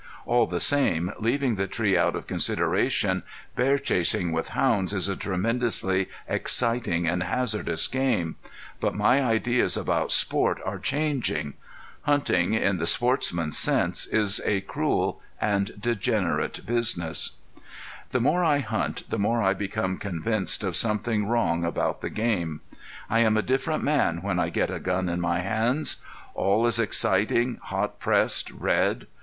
All the same, leaving the tree out of consideration, bear chasing with hounds is a tremendously exciting and hazardous game. But my ideas about sport are changing. Hunting, in the sportsman's sense, is a cruel and degenerate business. [Illustration: WHITE ASPEN TREE, SHOWING MARKS OF BEAR CLAWS] The more I hunt the more I become convinced of something wrong about the game. I am a different man when I get a gun in my hands. All is exciting, hot pressed, red.